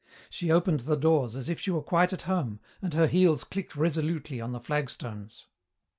She opened the doors as if she were quite at home, and her heels clicked resolutely on the flagstones.